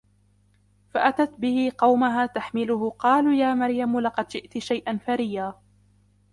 فأتت به قومها تحمله قالوا يا مريم لقد جئت شيئا فريا